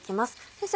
先生